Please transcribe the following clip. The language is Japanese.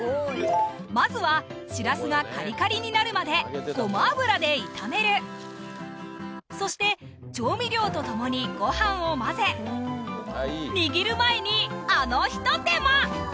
まずはしらすがカリカリになるまでごま油で炒めるそして調味料と共にご飯を混ぜ握る前にあのひと手間！